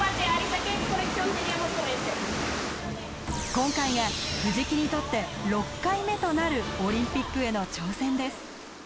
今回が藤木にとって６回目となるオリンピックへの挑戦です。